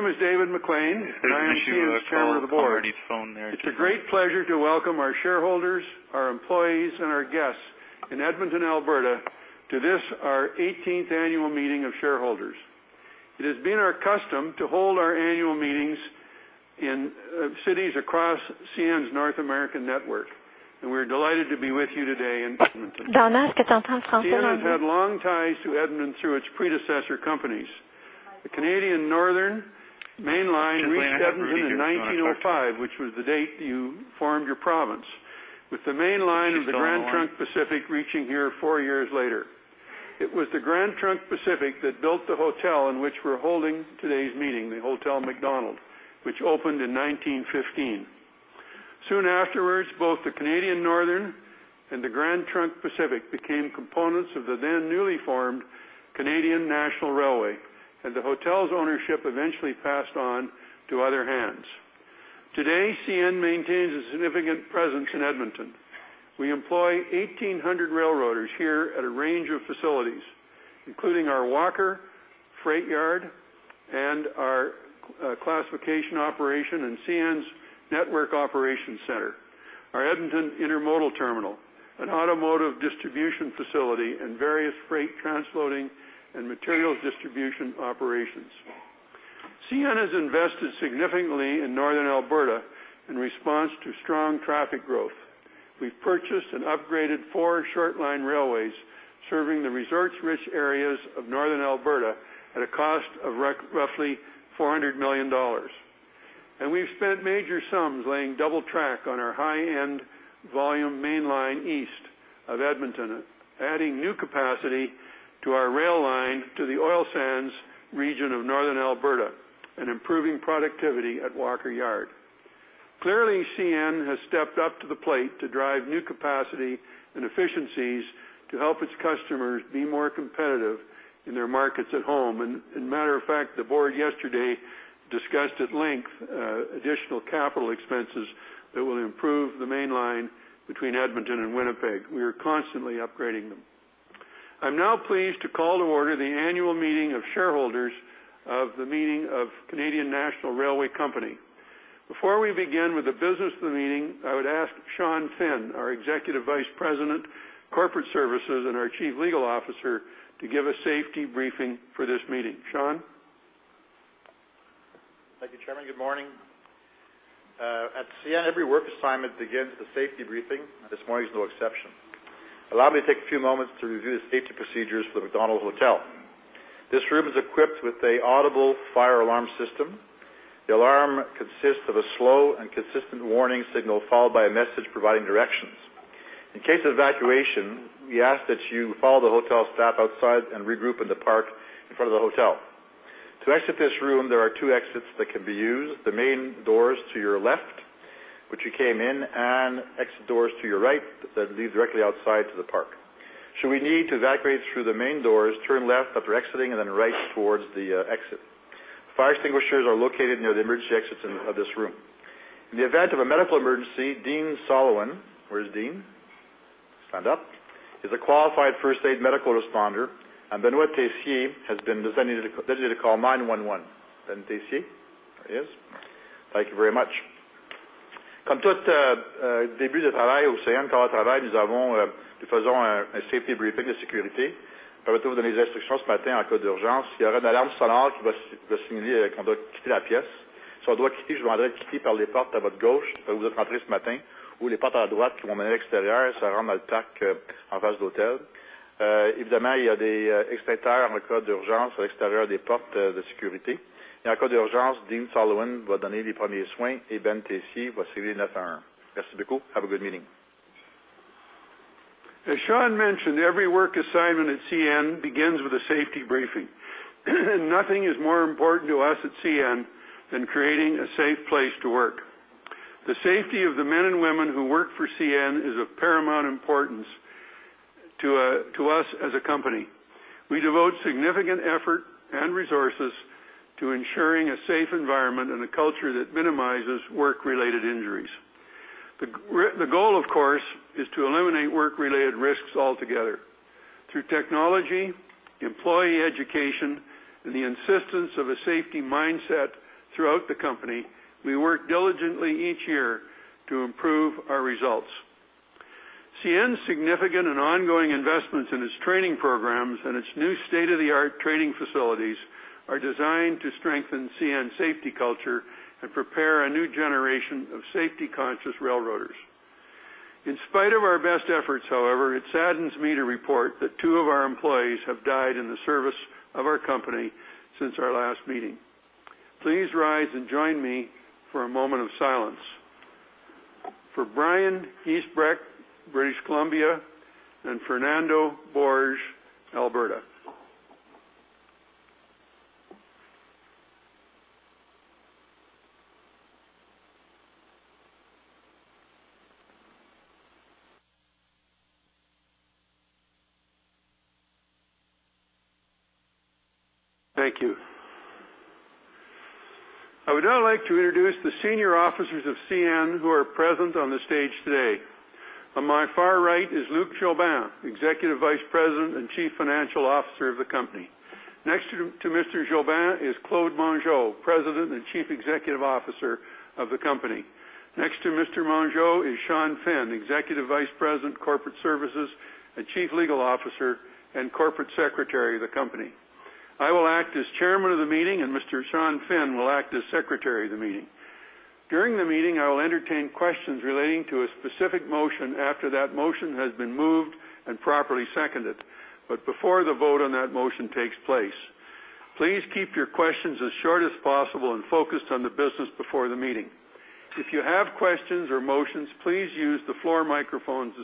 ...My name is David McLean, and I am CN's Chairman of the Board. It's a great pleasure to welcome our shareholders, our employees, and our guests in Edmonton, Alberta, to this, our 18th annual meeting of shareholders. It has been our custom to hold our annual meetings in cities across CN's North American network, and we're delighted to be with you today in Edmonton. CN has had long ties to Edmonton through its predecessor companies. The Canadian Northern mainline reached Edmonton in 1905, which was the date you formed your province, with the main line of the Grand Trunk Pacific reaching here 4 years later. It was the Grand Trunk Pacific that built the hotel in which we're holding today's meeting, the Hotel Macdonald, which opened in 1915. Soon afterwards, both the Canadian Northern and the Grand Trunk Pacific became components of the then newly formed Canadian National Railway, and the hotel's ownership eventually passed on to other hands. Today, CN maintains a significant presence in Edmonton. We employ 1,800 railroaders here at a range of facilities, including our Walker Freight Yard and our classification operation and CN's Network Operations Center, our Edmonton Intermodal Terminal, an automotive distribution facility, and various freight transloading and materials distribution operations. CN has invested significantly in Northern Alberta in response to strong traffic growth. We've purchased and upgraded four short line railways serving the resource-rich areas of Northern Alberta at a cost of roughly 400 million dollars. We've spent major sums laying double track on our high-end volume mainline east of Edmonton, adding new capacity to our rail line to the oil sands region of Northern Alberta and improving productivity at Walker Yard. Clearly, CN has stepped up to the plate to drive new capacity and efficiencies to help its customers be more competitive in their markets at home. And, as a matter of fact, the board yesterday discussed at length additional capital expenses that will improve the main line between Edmonton and Winnipeg. We are constantly upgrading them. I'm now pleased to call to order the annual meeting of shareholders of Canadian National Railway Company. Before we begin with the business of the meeting, I would ask Sean Finn, our Executive Vice President, Corporate Services and our Chief Legal Officer, to give a safety briefing for this meeting. Sean? Thank you, Chairman. Good morning. At CN, every work assignment begins with a safety briefing. This morning is no exception. Allow me to take a few moments to review the safety procedures for the Fairmont Hotel Macdonald. This room is equipped with an audible fire alarm system. The alarm consists of a slow and consistent warning signal, followed by a message providing directions. In case of evacuation, we ask that you follow the hotel staff outside and regroup in the park in front of the hotel. To exit this room, there are two exits that can be used, the main doors to your left, which you came in, and exit doors to your right that lead directly outside to the park. Should we need to evacuate through the main doors, turn left after exiting and then right towards the exit. Fire extinguishers are located near the emergency exits in this room. In the event of a medical emergency, Dean Solowan, where is Dean? Stand up, is a qualified first aid medical responder, and Benoit Tessier has been designated to call 911. Benoit Tessier? There he is. Thank you very much. Have a good meeting. As Sean mentioned, every work assignment at CN begins with a safety briefing, and nothing is more important to us at CN than creating a safe place to work. The safety of the men and women who work for CN is of paramount importance to us as a company. We devote significant effort and resources to ensuring a safe environment and a culture that minimizes work-related injuries. The goal, of course, is to eliminate work-related risks altogether. Through technology, employee education, and the insistence of a safety mindset throughout the company, we work diligently each year to improve our results. CN's significant and ongoing investments in its training programs and its new state-of-the-art training facilities are designed to strengthen CN's safety culture and prepare a new generation of safety-conscious railroaders. In spite of our best efforts, however, it saddens me to report that two of our employees have died in the service of our company since our last meeting. Please rise and join me for a moment of silence. For Brian Giesbrecht, British Columbia, and Fernando Borges, Alberta. Thank you. I would now like to introduce the senior officers of CN who are present on the stage today.... On my far right is Luc Jobin, Executive Vice President and Chief Financial Officer of the company. Next to Mr. Jobin is Claude Mongeau, President and Chief Executive Officer of the company. Next to Mr. Mongeau is Sean Finn, Executive Vice President, Corporate Services, and Chief Legal Officer and Corporate Secretary of the company. I will act as Chairman of the meeting, and Mr. Sean Finn will act as Secretary of the meeting. During the meeting, I will entertain questions relating to a specific motion after that motion has been moved and properly seconded, but before the vote on that motion takes place. Please keep your questions as short as possible and focused on the business before the meeting. If you have questions or motions, please use the floor microphones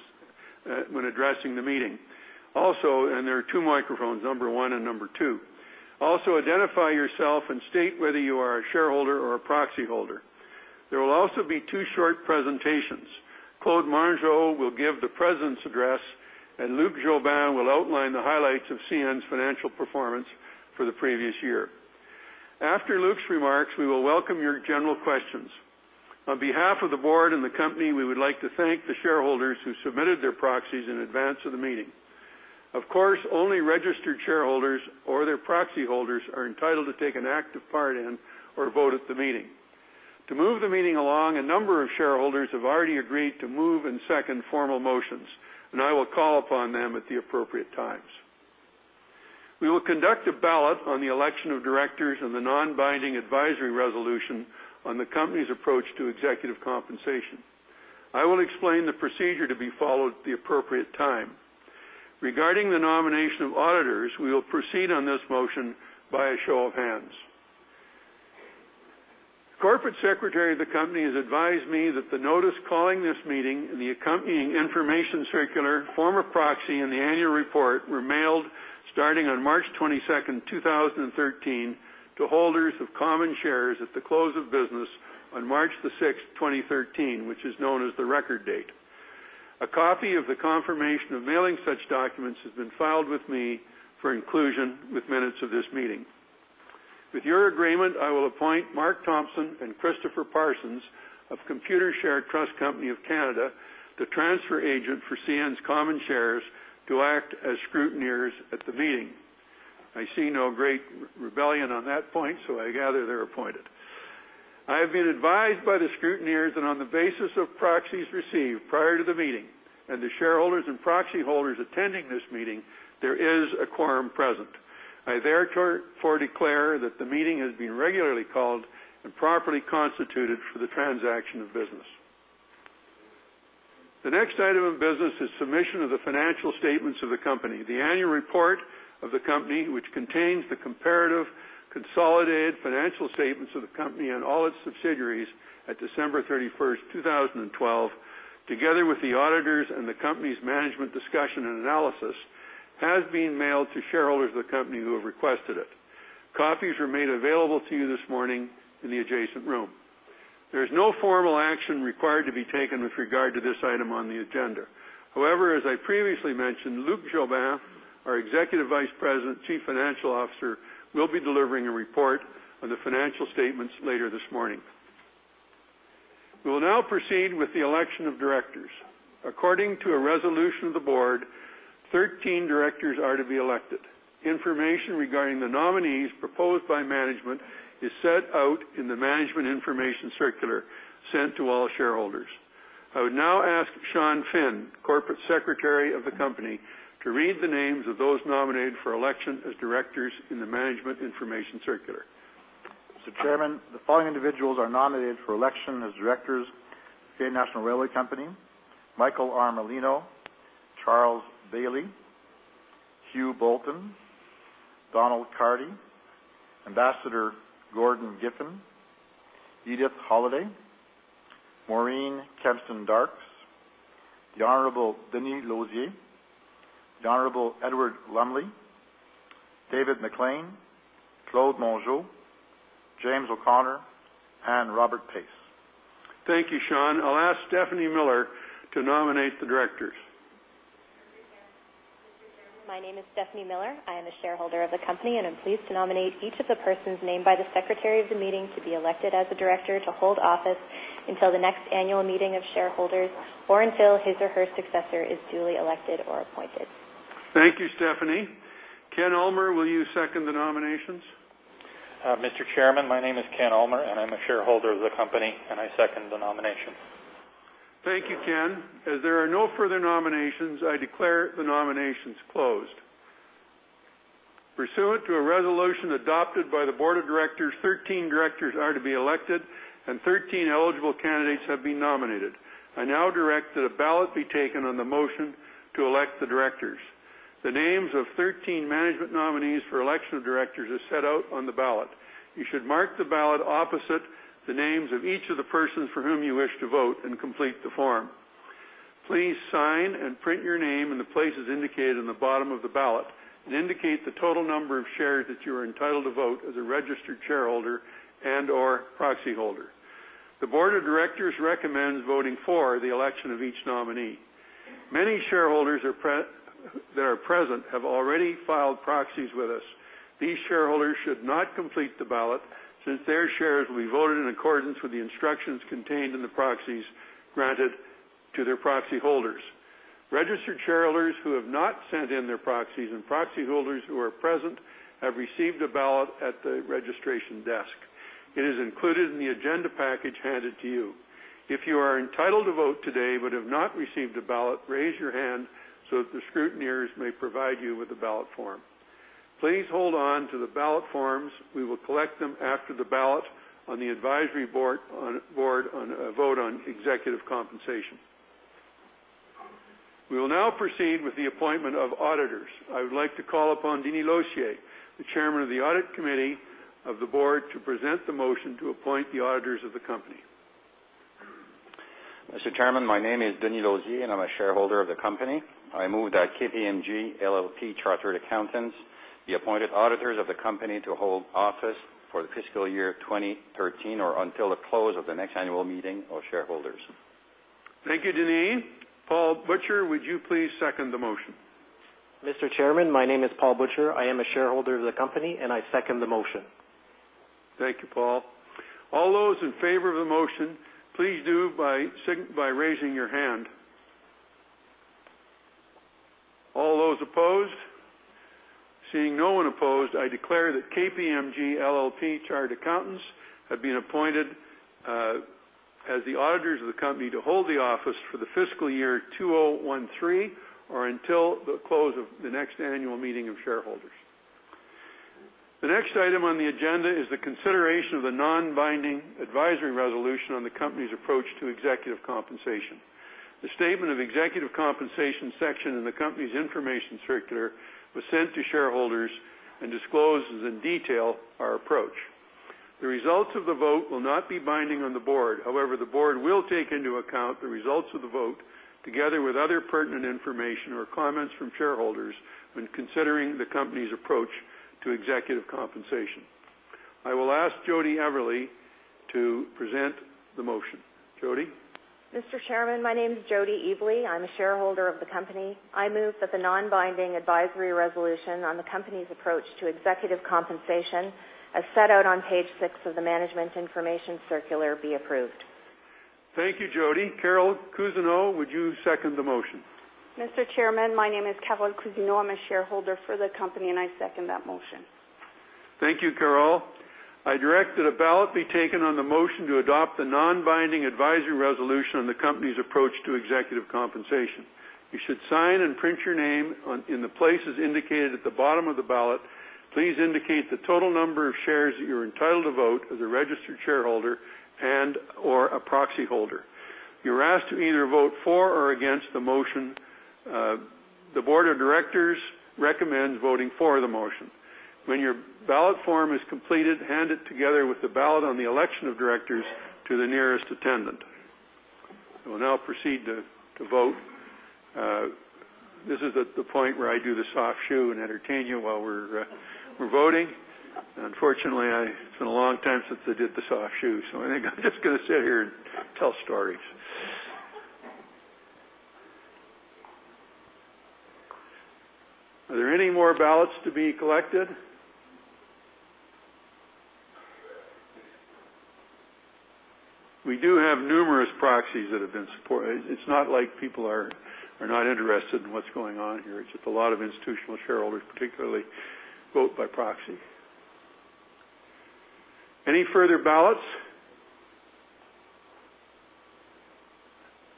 when addressing the meeting. Also, there are two microphones, number one and number two. Also, identify yourself and state whether you are a shareholder or a proxy holder. There will also be two short presentations. Claude Mongeau will give the President's Address, and Luc Jobin will outline the highlights of CN's financial performance for the previous year. After Luc's remarks, we will welcome your general questions. On behalf of the board and the company, we would like to thank the shareholders who submitted their proxies in advance of the meeting. Of course, only registered shareholders or their proxy holders are entitled to take an active part in or vote at the meeting. To move the meeting along, a number of shareholders have already agreed to move and second formal motions, and I will call upon them at the appropriate times. We will conduct a ballot on the election of directors and the non-binding advisory resolution on the company's approach to executive compensation. I will explain the procedure to be followed at the appropriate time. Regarding the nomination of auditors, we will proceed on this motion by a show of hands. Corporate Secretary of the company has advised me that the notice calling this meeting and the accompanying information circular, form of proxy, and the annual report were mailed starting on March 22, 2013, to holders of common shares at the close of business on March 6th, 2013, which is known as the record date. A copy of the confirmation of mailing such documents has been filed with me for inclusion with minutes of this meeting. With your agreement, I will appoint Mark Thompson and Christopher Parsons of Computershare Trust Company of Canada, the transfer agent for CN's common shares, to act as scrutineers at the meeting. I see no great rebellion on that point, so I gather they're appointed. I have been advised by the scrutineers that on the basis of proxies received prior to the meeting and the shareholders and proxy holders attending this meeting, there is a quorum present. I therefore declare that the meeting has been regularly called and properly constituted for the transaction of business. The next item of business is submission of the financial statements of the company. The annual report of the company, which contains the comparative, consolidated financial statements of the company and all its subsidiaries at December 31st, 2012, together with the auditors and the company's management discussion and analysis, has been mailed to shareholders of the company who have requested it. Copies were made available to you this morning in the adjacent room. There's no formal action required to be taken with regard to this item on the agenda. However, as I previously mentioned, Luc Jobin, our Executive Vice President, Chief Financial Officer, will be delivering a report on the financial statements later this morning. We will now proceed with the election of directors. According to a resolution of the board, 13 directors are to be elected. Information regarding the nominees proposed by management is set out in the management information circular sent to all shareholders. I would now ask Sean Finn, Corporate Secretary of the company, to read the names of those nominated for election as directors in the management information circular. Mr. Chairman, the following individuals are nominated for election as directors of the Canadian National Railway Company: Michael Armellino, Charles Baillie, Hugh Bolton, Donald Carty, Ambassador Gordon Giffin, Edith Holiday, Maureen Kempston Darkes, the Honorable Denis Losier, the Honorable Edward Lumley, David McLean, Claude Mongeau, James O'Connor, and Robert Pace. Thank you, Sean. I'll ask Stephanie Miller to nominate the directors. My name is Stephanie Miller. I am a shareholder of the company, and I'm pleased to nominate each of the persons named by the Secretary of the meeting to be elected as a director to hold office until the next annual meeting of shareholders, or until his or her successor is duly elected or appointed. Thank you, Stephanie. Ken Ulmer, will you second the nominations? Mr. Chairman, my name is Ken Ulmer, and I'm a shareholder of the company, and I second the nomination. Thank you, Ken. As there are no further nominations, I declare the nominations closed. Pursuant to a resolution adopted by the board of directors, 13 directors are to be elected, and 13 eligible candidates have been nominated. I now direct that a ballot be taken on the motion to elect the directors. The names of 13 management nominees for election of directors are set out on the ballot. You should mark the ballot opposite the names of each of the persons for whom you wish to vote and complete the form. Please sign and print your name in the places indicated in the bottom of the ballot, and indicate the total number of shares that you are entitled to vote as a registered shareholder and/or proxy holder. The board of directors recommends voting for the election of each nominee. Many shareholders are pret... that are present have already filed proxies with us. These shareholders should not complete the ballot, since their shares will be voted in accordance with the instructions contained in the proxies granted to their proxy holders. Registered shareholders who have not sent in their proxies and proxy holders who are present have received a ballot at the registration desk. It is included in the agenda package handed to you. If you are entitled to vote today but have not received a ballot, raise your hand so that the scrutineers may provide you with the ballot form. Please hold on to the ballot forms. We will collect them after the ballot on the advisory vote on executive compensation. We will now proceed with the appointment of auditors. I would like to call upon Denis Losier, the Chairman of the Audit Committee of the Board, to present the motion to appoint the auditors of the company. Mr. Chairman, my name is Denis Losier, and I'm a shareholder of the company. I move that KPMG LLP, Chartered Accountants, be appointed auditors of the company to hold office for the fiscal year 2013 or until the close of the next annual meeting of shareholders. Thank you, Denis. Paul Butcher, would you please second the motion? Mr. Chairman, my name is Paul Butcher. I am a shareholder of the company, and I second the motion. Thank you, Paul. All those in favor of the motion, please do by raising your hand. All those opposed? Seeing no one opposed, I declare that KPMG LLP Chartered Accountants have been appointed as the auditors of the company to hold the office for the fiscal year 2013, or until the close of the next annual meeting of shareholders. The next item on the agenda is the consideration of the non-binding advisory resolution on the company's approach to executive compensation. The Statement of Executive Compensation section in the company's information circular was sent to shareholders and discloses in detail our approach. The results of the vote will not be binding on the board. However, the board will take into account the results of the vote, together with other pertinent information or comments from shareholders when considering the company's approach to executive compensation. I will ask Jody Evely to present the motion. Jody? Mr. Chairman, my name is Jody Evely. I'm a shareholder of the company. I move that the non-binding advisory resolution on the company's approach to executive compensation, as set out on page six of the Management Information Circular, be approved. Thank you, Jody. Carole Cousineau, would you second the motion? Mr. Chairman, my name is Carole Cousineau. I'm a shareholder for the company, and I second that motion. Thank you, Carole. I direct that a ballot be taken on the motion to adopt the non-binding advisory resolution on the company's approach to executive compensation. You should sign and print your name on, in the places indicated at the bottom of the ballot. Please indicate the total number of shares that you're entitled to vote as a registered shareholder and/or a proxy holder. You're asked to either vote for or against the motion. The board of directors recommends voting for the motion. When your ballot form is completed, hand it together with the ballot on the election of directors to the nearest attendant. We will now proceed to vote. This is at the point where I do the soft shoe and entertain you while we're voting. Unfortunately, I... It's been a long time since I did the soft shoe, so I think I'm just gonna sit here and tell stories. Are there any more ballots to be collected? We do have numerous proxies that have been support-- It's not like people are, are not interested in what's going on here. It's just a lot of institutional shareholders, particularly, vote by proxy. Any further ballots?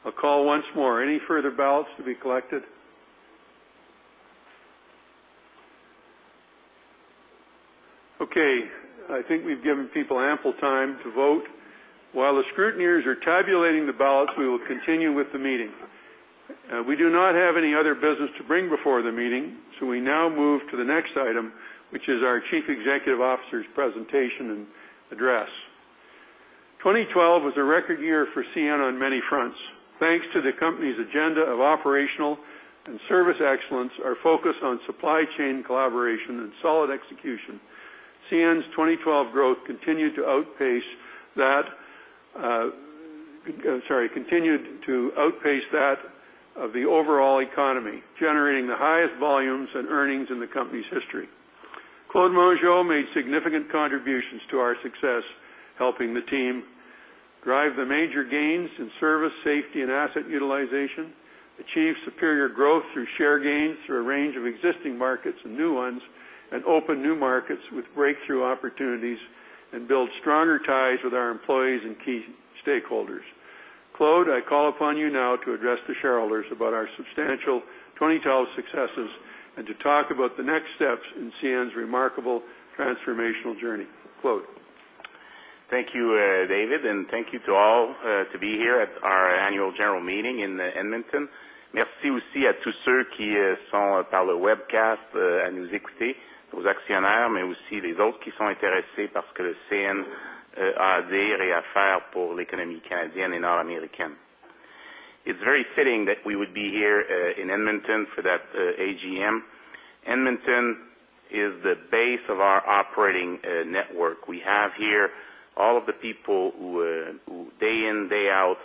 I'll call once more. Any further ballots to be collected? Okay, I think we've given people ample time to vote. While the scrutineers are tabulating the ballots, we will continue with the meeting. We do not have any other business to bring before the meeting, so we now move to the next item, which is our Chief Executive Officer's presentation and address. 2012 was a record year for CN on many fronts. Thanks to the company's agenda of operational and service excellence, our focus on supply chain collaboration and solid execution, CN's 2012 growth continued to outpace that of the overall economy, generating the highest volumes and earnings in the company's history. Claude Mongeau made significant contributions to our success, helping the team drive the major gains in service, safety and asset utilization, achieve superior growth through share gains, through a range of existing markets and new ones, and open new markets with breakthrough opportunities, and build stronger ties with our employees and key stakeholders. Claude, I call upon you now to address the shareholders about our substantial 2012 successes, and to talk about the next steps in CN's remarkable transformational journey. Claude? Thank you, David, and thank you to all, to be here at our annual general meeting in Edmonton. It's very fitting that we would be here, in Edmonton for that, AGM. Edmonton is the base of our-... operating network. We have here all of the people who day in, day out,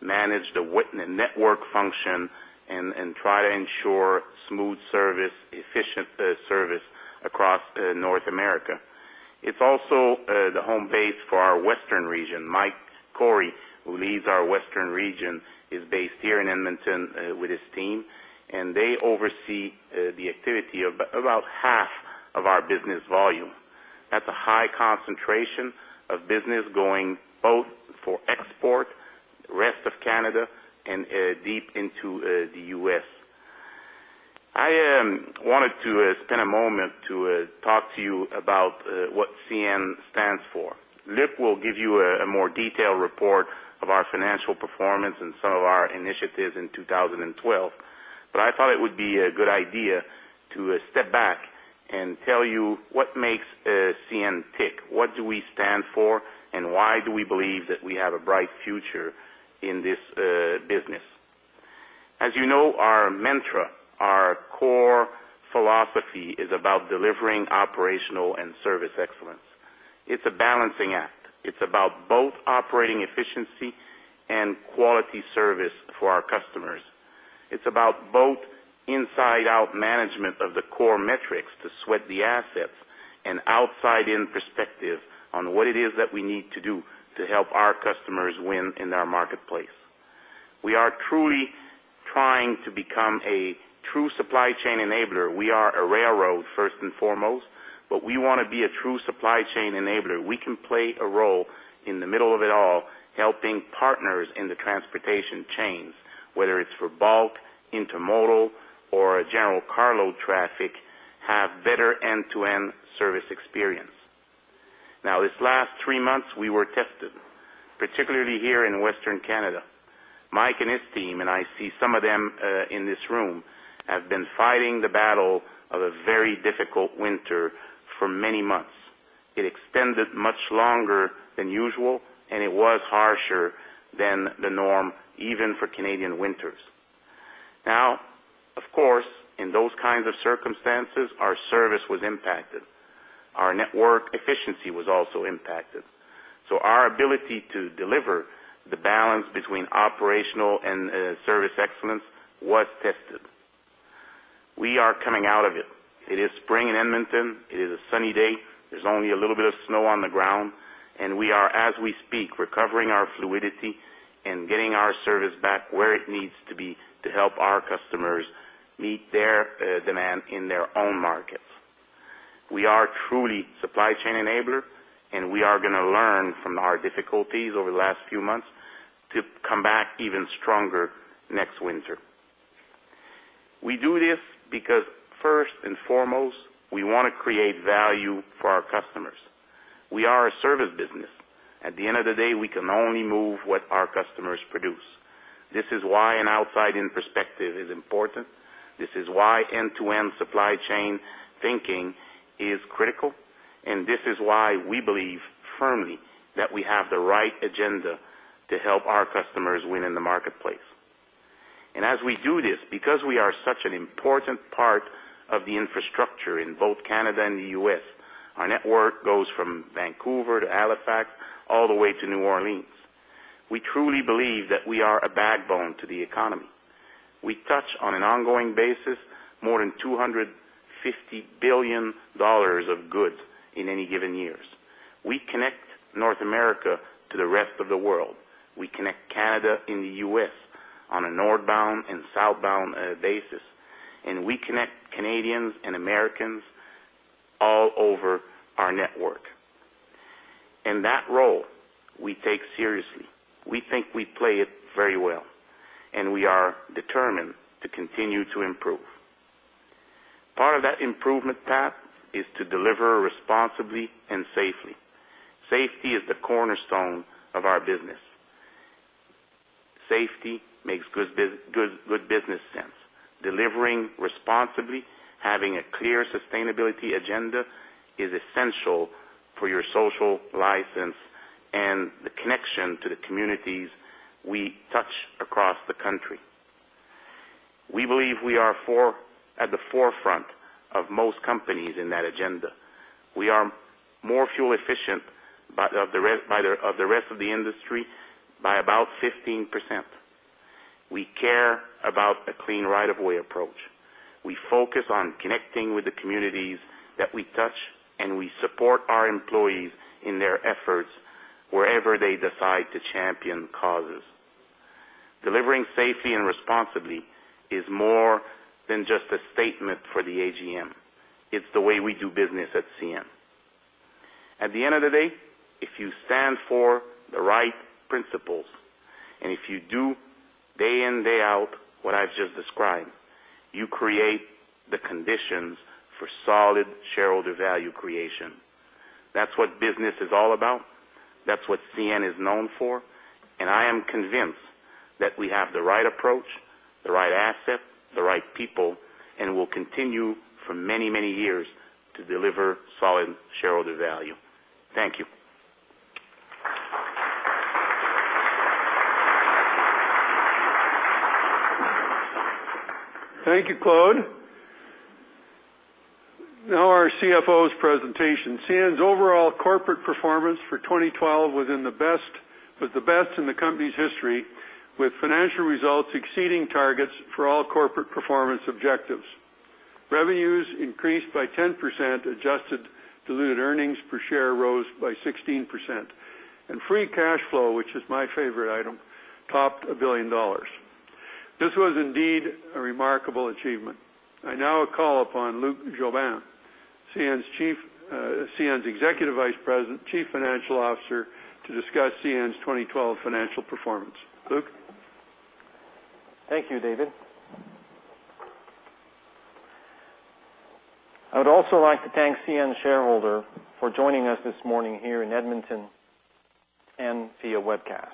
manage the with the network function and try to ensure smooth service, efficient service across North America. It's also the home base for our Western region. Mike Cory, who leads our Western region, is based here in Edmonton with his team, and they oversee the activity of about half of our business volume. That's a high concentration of business going both for export, rest of Canada, and deep into the U.S. I wanted to spend a moment to talk to you about what CN stands for. Luc will give you a more detailed report of our financial performance and some of our initiatives in 2012, but I thought it would be a good idea to step back and tell you what makes CN tick, what do we stand for, and why do we believe that we have a bright future in this business. As you know, our mantra, our core philosophy, is about delivering operational and service excellence. It's a balancing act. It's about both operating efficiency and quality service for our customers. It's about both inside-out management of the core metrics to sweat the assets and outside-in perspective on what it is that we need to do to help our customers win in our marketplace. We are truly trying to become a true supply chain enabler. We are a railroad, first and foremost, but we wanna be a true supply chain enabler. We can play a role in the middle of it all, helping partners in the transportation chains, whether it's for bulk, intermodal, or general cargo traffic, have better end-to-end service experience. Now, these last three months, we were tested, particularly here in Western Canada. Mike and his team, and I see some of them in this room, have been fighting the battle of a very difficult winter for many months. It extended much longer than usual, and it was harsher than the norm, even for Canadian winters. Now, of course, in those kinds of circumstances, our service was impacted. Our network efficiency was also impacted. So our ability to deliver the balance between operational and service excellence was tested. We are coming out of it. It is spring in Edmonton. It is a sunny day. There's only a little bit of snow on the ground, and we are, as we speak, recovering our fluidity and getting our service back where it needs to be to help our customers meet their demand in their own markets. We are truly supply chain enabler, and we are gonna learn from our difficulties over the last few months to come back even stronger next winter. We do this because, first and foremost, we wanna create value for our customers. We are a service business. At the end of the day, we can only move what our customers produce. This is why an outside-in perspective is important. This is why end-to-end supply chain thinking is critical, and this is why we believe firmly that we have the right agenda to help our customers win in the marketplace. As we do this, because we are such an important part of the infrastructure in both Canada and the U.S., our network goes from Vancouver to Halifax, all the way to New Orleans. We truly believe that we are a backbone to the economy. We touch, on an ongoing basis, more than 250 billion dollars of goods in any given years. We connect North America to the rest of the world. We connect Canada and the U.S. on a northbound and southbound basis, and we connect Canadians and Americans all over our network. And that role we take seriously. We think we play it very well, and we are determined to continue to improve. Part of that improvement path is to deliver responsibly and safely. Safety is the cornerstone of our business. Safety makes good business sense. Delivering responsibly, having a clear sustainability agenda is essential for your social license and the connection to the communities we touch across the country. We believe we are at the forefront of most companies in that agenda. We are more fuel efficient than the rest of the industry, by about 15%. We care about a clean right of way approach. We focus on connecting with the communities that we touch, and we support our employees in their efforts wherever they decide to champion causes. Delivering safely and responsibly is more than just a statement for the AGM. It's the way we do business at CN. At the end of the day, if you stand for the right principles, and if you do day in, day out, what I've just described, you create the conditions for solid shareholder value creation. That's what business is all about, that's what CN is known for, and I am convinced that we have the right approach, the right asset, the right people, and will continue for many, many years to deliver solid shareholder value. Thank you. ... Thank you, Claude. Now our CFO's presentation. CN's overall corporate performance for 2012 was in the best, was the best in the company's history, with financial results exceeding targets for all corporate performance objectives. Revenues increased by 10%, adjusted diluted earnings per share rose by 16%, and free cash flow, which is my favorite item, topped 1 billion dollars. This was indeed a remarkable achievement. I now call upon Luc Jobin, CN's Executive Vice President, Chief Financial Officer, to discuss CN's 2012 financial performance. Luc? Thank you, David. I would also like to thank CN shareholders for joining us this morning here in Edmonton and via webcast.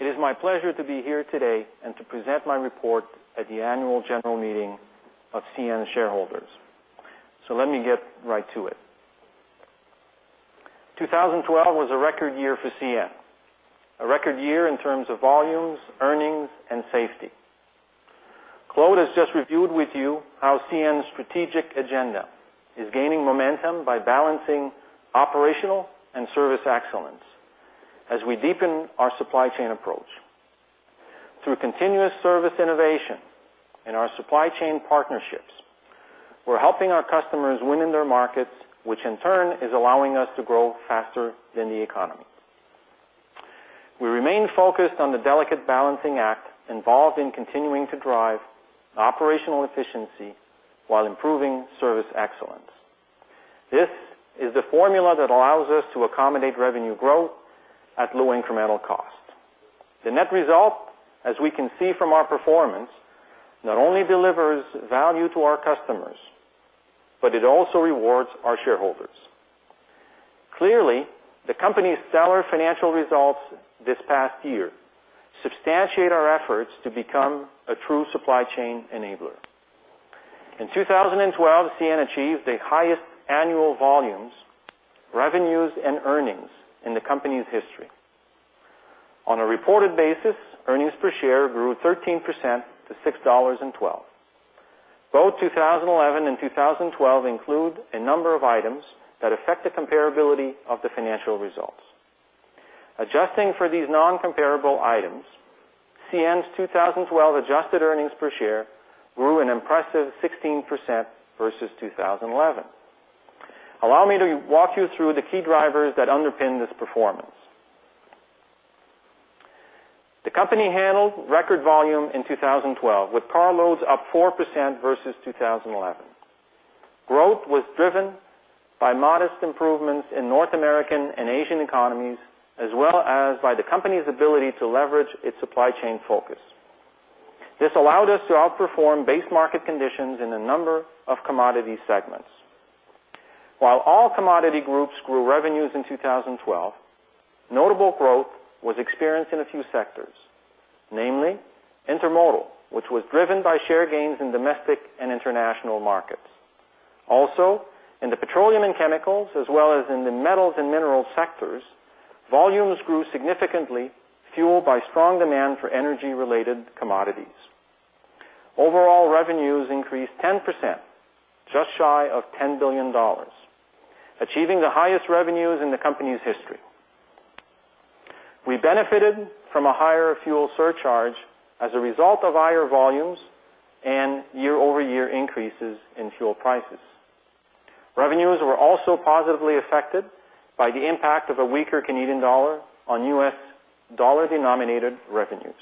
It is my pleasure to be here today and to present my report at the Annual General Meeting of CN shareholders. So let me get right to it. 2012 was a record year for CN, a record year in terms of volumes, earnings, and safety. Claude has just reviewed with you how CN's strategic agenda is gaining momentum by balancing operational and service excellence as we deepen our supply chain approach. Through continuous service innovation in our supply chain partnerships, we're helping our customers win in their markets, which in turn, is allowing us to grow faster than the economy. We remain focused on the delicate balancing act involved in continuing to drive operational efficiency while improving service excellence. This is the formula that allows us to accommodate revenue growth at low incremental cost. The net result, as we can see from our performance, not only delivers value to our customers, but it also rewards our shareholders. Clearly, the company's stellar financial results this past year substantiate our efforts to become a true supply chain enabler. In 2012, CN achieved the highest annual volumes, revenues, and earnings in the company's history. On a reported basis, earnings per share grew 13% to 6.12 dollars. Both 2011 and 2012 include a number of items that affect the comparability of the financial results. Adjusting for these non-comparable items, CN's 2012 adjusted earnings per share grew an impressive 16% versus 2011. Allow me to walk you through the key drivers that underpin this performance. The company handled record volume in 2012, with carloads up 4% versus 2011. Growth was driven by modest improvements in North American and Asian economies, as well as by the company's ability to leverage its supply chain focus. This allowed us to outperform base market conditions in a number of commodity segments. While all commodity groups grew revenues in 2012, notable growth was experienced in a few sectors, namely intermodal, which was driven by share gains in domestic and international markets. Also, in the petroleum and chemicals, as well as in the metals and minerals sectors, volumes grew significantly, fueled by strong demand for energy-related commodities. Overall, revenues increased 10%, just shy of 10 billion dollars, achieving the highest revenues in the company's history. We benefited from a higher fuel surcharge as a result of higher volumes and year-over-year increases in fuel prices. Revenues were also positively affected by the impact of a weaker Canadian dollar on U.S. dollar-denominated revenues.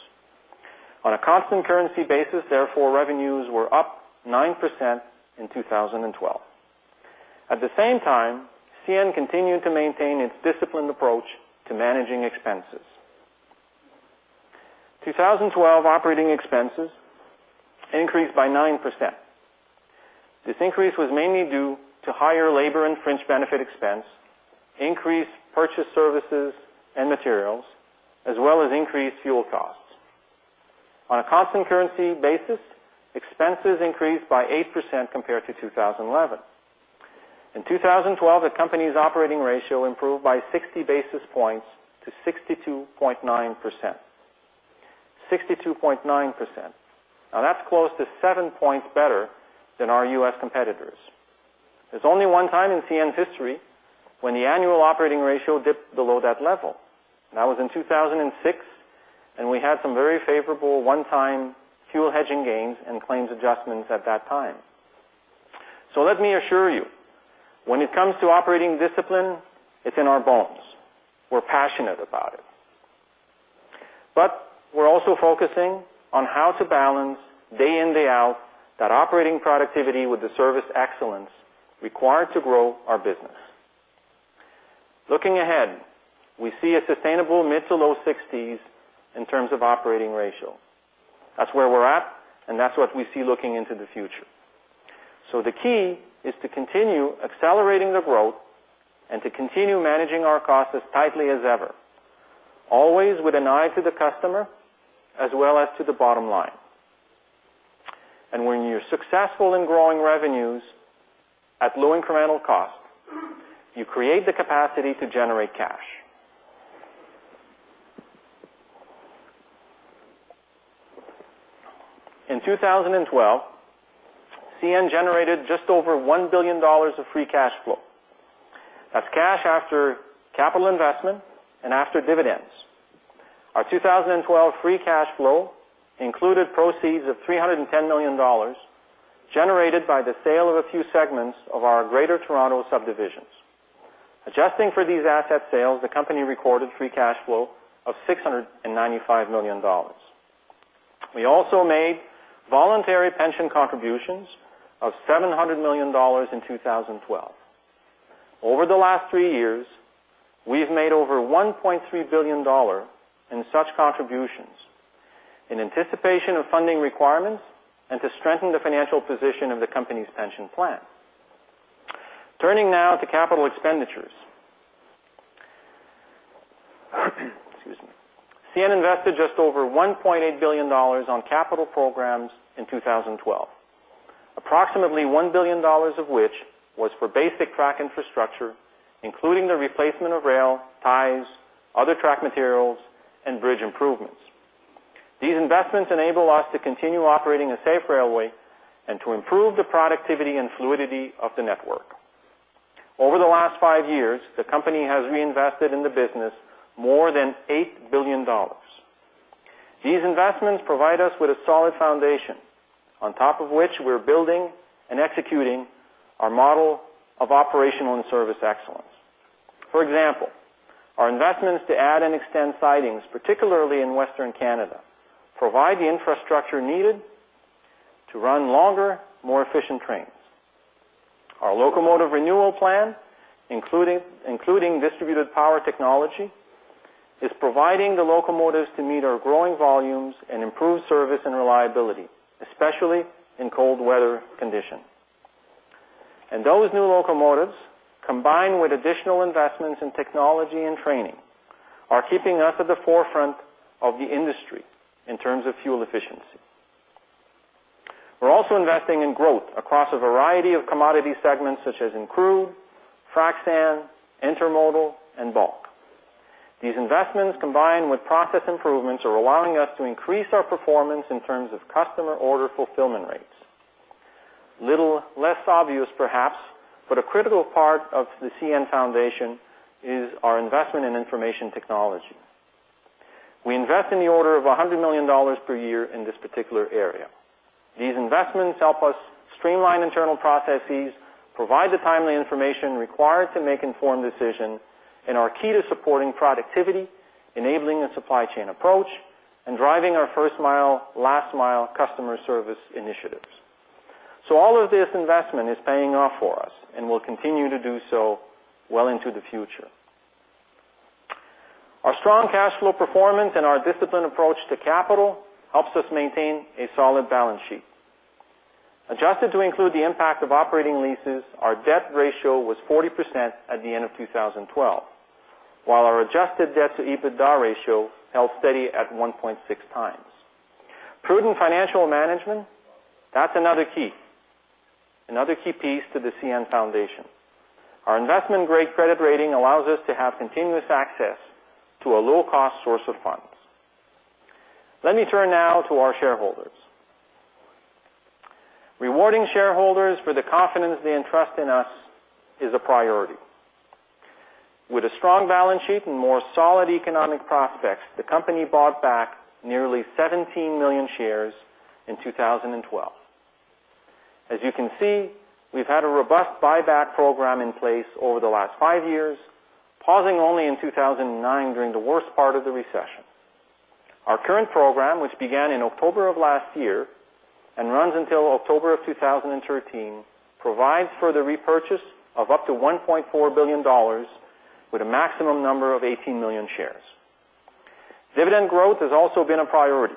On a constant currency basis, therefore, revenues were up 9% in 2012. At the same time, CN continued to maintain its disciplined approach to managing expenses. 2012 operating expenses increased by 9%. This increase was mainly due to higher labor and fringe benefit expense, increased purchase services and materials, as well as increased fuel costs. On a constant currency basis, expenses increased by 8% compared to 2011. In 2012, the company's operating ratio improved by 60 basis points to 62.9%. 62.9%. Now, that's close to seven points better than our U.S. competitors. There's only one time in CN's history when the annual operating ratio dipped below that level, and that was in 2006, and we had some very favorable one-time fuel hedging gains and claims adjustments at that time. So let me assure you, when it comes to operating discipline, it's in our bones. We're passionate about it. But we're also focusing on how to balance day in, day out, that operating productivity with the service excellence required to grow our business. Looking ahead, we see a sustainable mid- to low-60s in terms of operating ratio. That's where we're at, and that's what we see looking into the future. So the key is to continue accelerating the growth and to continue managing our costs as tightly as ever, always with an eye to the customer as well as to the bottom line. When you're successful in growing revenues at low incremental cost, you create the capacity to generate cash.... In 2012, CN generated just over 1 billion dollars of free cash flow. That's cash after capital investment and after dividends. Our 2012 free cash flow included proceeds of 310 million dollars, generated by the sale of a few segments of our Greater Toronto subdivisions. Adjusting for these asset sales, the company recorded free cash flow of 695 million dollars. We also made voluntary pension contributions of 700 million dollars in 2012. Over the last three years, we've made over 1.3 billion dollar in such contributions, in anticipation of funding requirements and to strengthen the financial position of the company's pension plan. Turning now to capital expenditures. Excuse me. CN invested just over 1.8 billion dollars on capital programs in 2012. Approximately 1 billion dollars of which was for basic track infrastructure, including the replacement of rail, ties, other track materials, and bridge improvements. These investments enable us to continue operating a safe railway and to improve the productivity and fluidity of the network. Over the last five years, the company has reinvested in the business more than 8 billion dollars. These investments provide us with a solid foundation, on top of which we're building and executing our model of operational and service excellence. For example, our investments to add and extend sidings, particularly in Western Canada, provide the infrastructure needed to run longer, more efficient trains. Our locomotive renewal plan, including distributed power technology, is providing the locomotives to meet our growing volumes and improve service and reliability, especially in cold weather condition. Those new locomotives, combined with additional investments in technology and training, are keeping us at the forefront of the industry in terms of fuel efficiency. We're also investing in growth across a variety of commodity segments, such as in crude, frac sand, intermodal, and bulk. These investments, combined with process improvements, are allowing us to increase our performance in terms of customer order fulfillment rates. Little less obvious, perhaps, but a critical part of the CN foundation is our investment in information technology. We invest in the order of 100 million dollars per year in this particular area. These investments help us streamline internal processes, provide the timely information required to make informed decisions, and are key to supporting productivity, enabling a supply chain approach, and driving our first mile, last mile customer service initiatives. So all of this investment is paying off for us and will continue to do so well into the future. Our strong cash flow performance and our disciplined approach to capital helps us maintain a solid balance sheet. Adjusted to include the impact of operating leases, our debt ratio was 40% at the end of 2012, while our adjusted debt to EBITDA ratio held steady at 1.6x. Prudent financial management, that's another key, another key piece to the CN foundation. Our investment-grade credit rating allows us to have continuous access to a low-cost source of funds. Let me turn now to our shareholders. Rewarding shareholders for the confidence they entrust in us is a priority. With a strong balance sheet and more solid economic prospects, the company bought back nearly 17 million shares in 2012. As you can see, we've had a robust buyback program in place over the last five years, pausing only in 2009 during the worst part of the recession. Our current program, which began in October of last year and runs until October of 2013, provides for the repurchase of up to 1.4 billion dollars with a maximum number of 18 million shares. Dividend growth has also been a priority.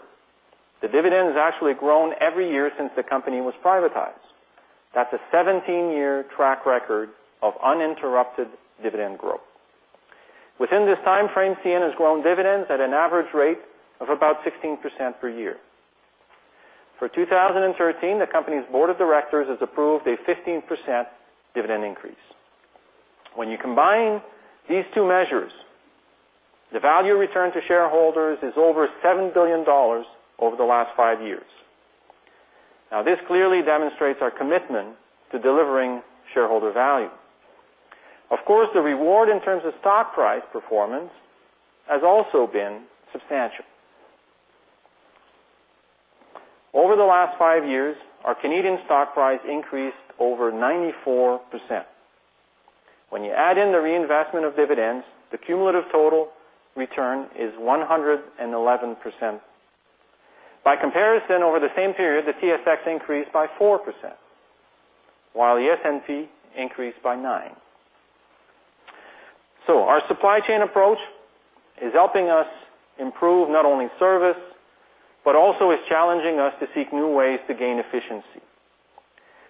The dividend has actually grown every year since the company was privatized. That's a 17-year track record of uninterrupted dividend growth. Within this time frame, CN has grown dividends at an average rate of about 16% per year. For 2013, the company's board of directors has approved a 15% dividend increase. When you combine these two measures, the value returned to shareholders is over 7 billion dollars over the last five years. Now, this clearly demonstrates our commitment to delivering shareholder value. Of course, the reward in terms of stock price performance has also been substantial. Over the last five years, our Canadian stock price increased over 94%. When you add in the reinvestment of dividends, the cumulative total return is 111%. By comparison, over the same period, the TSX increased by 4%, while the S&P increased by nine. So our supply chain approach is helping us improve not only service, but also is challenging us to seek new ways to gain efficiency.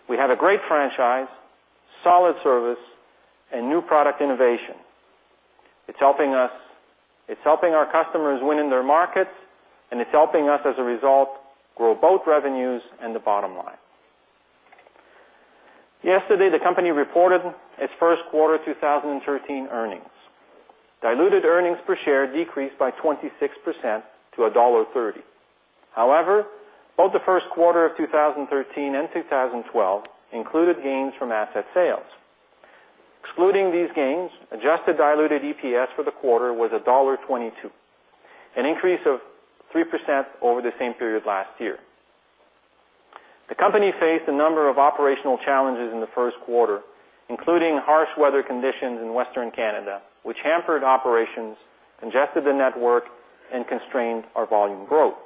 We have a great franchise, solid service, and new product innovation. It's helping us. It's helping our customers win in their markets, and it's helping us, as a result, grow both revenues and the bottom line.... Yesterday, the company reported its first quarter 2013 earnings. Diluted earnings per share decreased by 26% to dollar 1.30. However, both the first quarter of 2013 and 2012 included gains from asset sales. Excluding these gains, adjusted diluted EPS for the quarter was dollar 1.22, an increase of 3% over the same period last year. The company faced a number of operational challenges in the first quarter, including harsh weather conditions in Western Canada, which hampered operations, congested the network, and constrained our volume growth.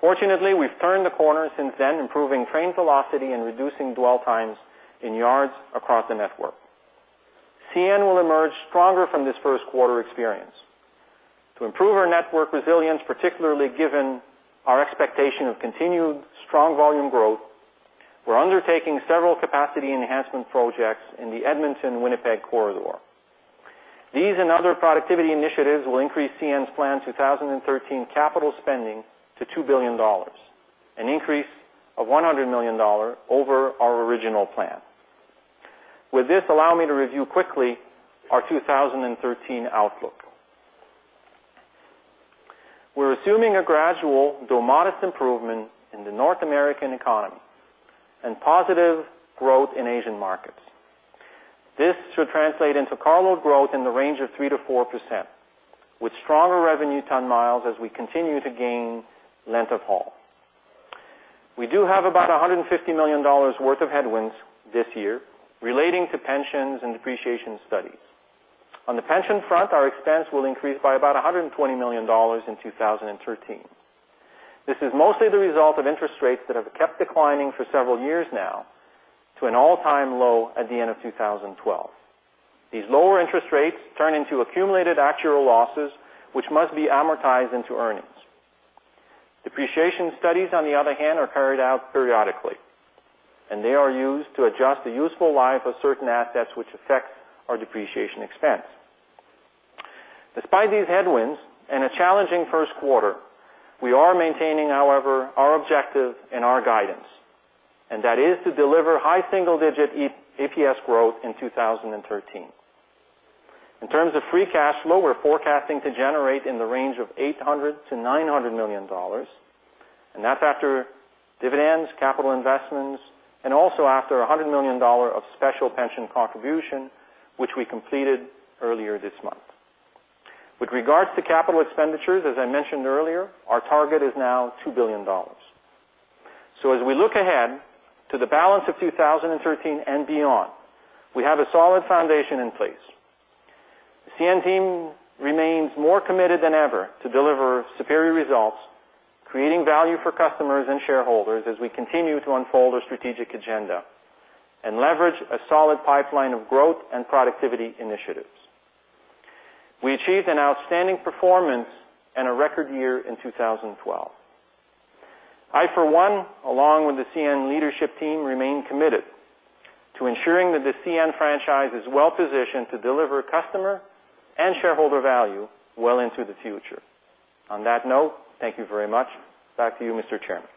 Fortunately, we've turned the corner since then, improving train velocity and reducing dwell times in yards across the network. CN will emerge stronger from this first quarter experience. To improve our network resilience, particularly given our expectation of continued strong volume growth, we're undertaking several capacity enhancement projects in the Edmonton, Winnipeg corridor. These and other productivity initiatives will increase CN's plan 2013 capital spending to 2 billion dollars, an increase of 100 million dollars over our original plan. With this, allow me to review quickly our 2013 outlook. We're assuming a gradual, though modest, improvement in the North American economy and positive growth in Asian markets. This should translate into cargo growth in the range of 3%-4%, with stronger revenue ton miles as we continue to gain length of haul. We do have about 150 million dollars worth of headwinds this year relating to pensions and depreciation studies. On the pension front, our expense will increase by about 120 million dollars in 2013. This is mostly the result of interest rates that have kept declining for several years now to an all-time low at the end of 2012. These lower interest rates turn into accumulated actual losses, which must be amortized into earnings. Depreciation studies, on the other hand, are carried out periodically, and they are used to adjust the useful life of certain assets, which affects our depreciation expense. Despite these headwinds and a challenging first quarter, we are maintaining, however, our objective and our guidance, and that is to deliver high single-digit adjusted EPS growth in 2013. In terms of free cash flow, we're forecasting to generate in the range of 800 million-900 million dollars, and that's after dividends, capital investments, and also after 100 million dollar of special pension contribution, which we completed earlier this month. With regards to capital expenditures, as I mentioned earlier, our target is now 2 billion dollars. So as we look ahead to the balance of 2013 and beyond, we have a solid foundation in place. CN team remains more committed than ever to deliver superior results, creating value for customers and shareholders as we continue to unfold our strategic agenda and leverage a solid pipeline of growth and productivity initiatives. We achieved an outstanding performance and a record year in 2012. I, for one, along with the CN leadership team, remain committed to ensuring that the CN franchise is well positioned to deliver customer and shareholder value well into the future. On that note, thank you very much. Back to you, Mr. Chairman.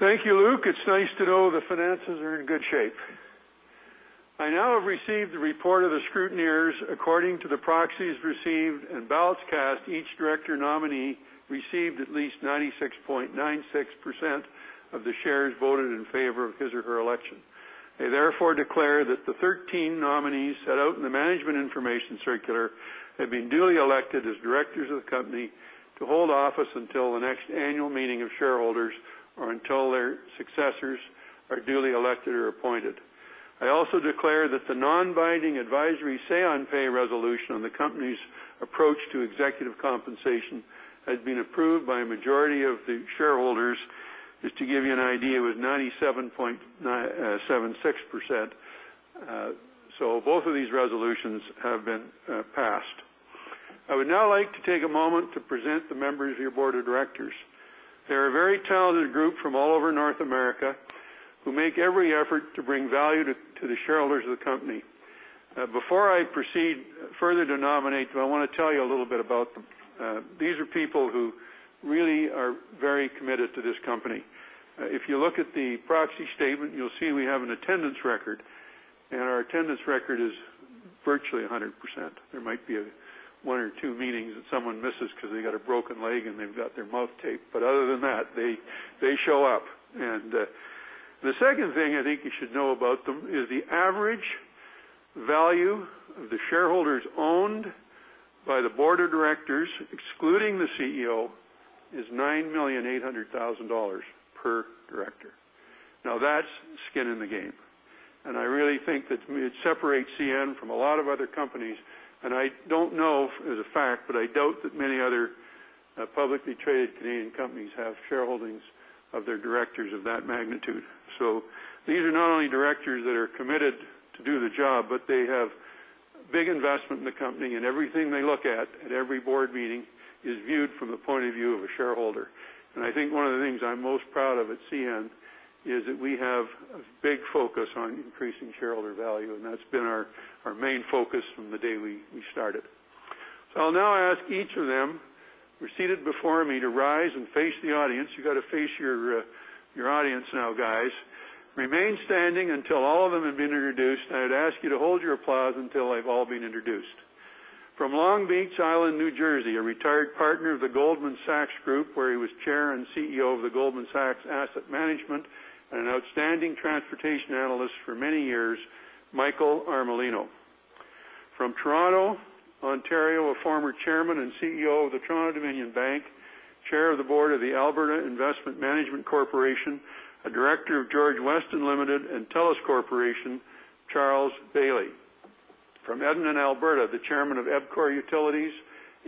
Thank you, Luc. It's nice to know the finances are in good shape. I now have received the report of the scrutineers. According to the proxies received and ballots cast, each director nominee received at least 96.96% of the shares voted in favor of his or her election. I, therefore, declare that the 13 nominees set out in the management information circular have been duly elected as directors of the company to hold office until the next annual meeting of shareholders or until their successors are duly elected or appointed. I also declare that the non-binding advisory say on pay resolution on the company's approach to executive compensation has been approved by a majority of the shareholders. Just to give you an idea, it was 97.76%. So both of these resolutions have been passed. I would now like to take a moment to present the members of your board of directors. They're a very talented group from all over North America, who make every effort to bring value to the shareholders of the company. Before I proceed further to nominate, I wanna tell you a little bit about them. These are people who really are very committed to this company. If you look at the proxy statement, you'll see we have an attendance record, and our attendance record is virtually 100%. There might be one or two meetings that someone misses 'cause they got a broken leg, and they've got their mouth taped. But other than that, they show up. The second thing I think you should know about them is the average value of the shares owned by the board of directors, excluding the CEO, is 9.8 million per director. Now, that's skin in the game, and I really think that it separates CN from a lot of other companies. I don't know as a fact, but I doubt that many other publicly traded Canadian companies have shareholdings of their directors of that magnitude. So these are not only directors that are committed to do the job, but they have big investment in the company, and everything they look at, at every board meeting, is viewed from the point of view of a shareholder. And I think one of the things I'm most proud of at CN is... is that we have a big focus on increasing shareholder value, and that's been our, our main focus from the day we, we started. So I'll now ask each of them who are seated before me to rise and face the audience. You've got to face your, your audience now, guys. Remain standing until all of them have been introduced, and I'd ask you to hold your applause until they've all been introduced. From Long Beach Island, New Jersey, a retired partner of the Goldman Sachs Group, where he was chair and CEO of the Goldman Sachs Asset Management and an outstanding transportation analyst for many years, Michael Armellino. From Toronto, Ontario, a former chairman and CEO of the Toronto-Dominion Bank, chair of the board of the Alberta Investment Management Corporation, a director of George Weston Limited and Telus Corporation, Charles Baillie. From Edmonton, Alberta, the chairman of EPCOR Utilities,